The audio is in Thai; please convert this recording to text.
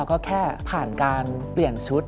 ก็แค่ผ่านการเปลี่ยนชุด